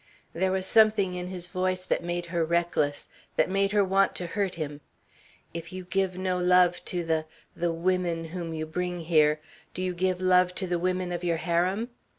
There was something in his voice that made her reckless, that made her want to hurt him. "If you give no love to the the women whom you bring here, do you give love to the women of your harem?